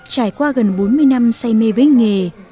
trải qua gần bốn mươi năm say mê với nghề